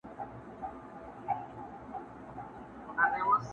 تور قسمت په تا آرام نه دی لیدلی؛